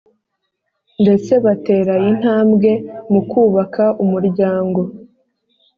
ndetse batera intambwe mu kubaka umuryango